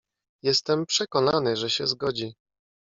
"Jestem przekonany, że się zgodzi."